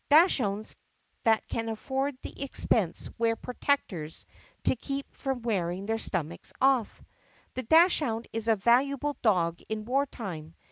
Dachshunds that can afford the expense wear protectors to keep from wear ing their stomachs off. The dachshund is a valuable dog in war time.